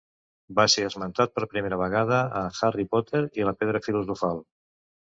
Va ser esmentat per primera vegada a Harry Potter i la pedra filosofal.